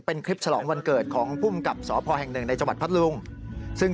เป็นคลิปฉลองวันเกิดของผู้มงักสภแห่ง๑ในจังหวัดพัทธลุง